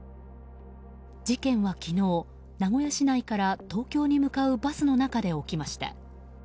事件は昨日、名古屋市内から東京に向かうバスの中で起きました。